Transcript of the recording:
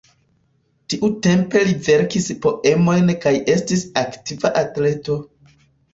Tiutempe li verkis poemojn kaj estis aktiva atleto.